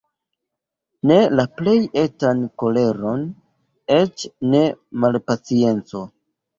Ne la plej etan koleron, eĉ ne malpaciencon.